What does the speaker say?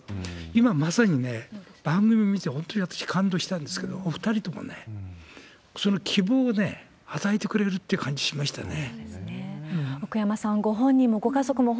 今まさに番組見て、本当に私、感動したんですけど、２人ともね、その希望をね、与えてくれるっていう感じしましたね。